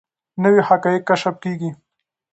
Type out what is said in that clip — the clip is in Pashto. نوي حقایق کشف کیږي.